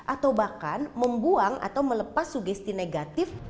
atau bahkan membuang atau melepas sugesti negatif